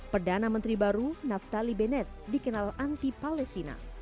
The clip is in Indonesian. perdana menteri baru naftali benet dikenal anti palestina